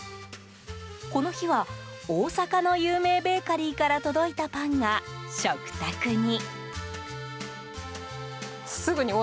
この日は、大阪の有名ベーカリーから届いたパンが食卓に。